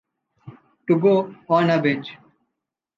To go on a binge.